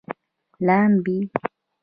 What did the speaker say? لامبي